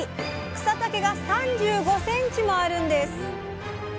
草丈が３５ｃｍもあるんです。